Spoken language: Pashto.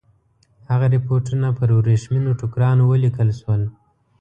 هغه رپوټونه پر ورېښمینو ټوکرانو ولیکل شول.